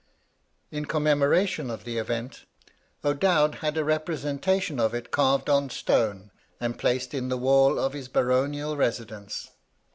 In commemoration of the event, O'Dowd had a representation of it carved on stone, and placed in the wall of his baronial residence.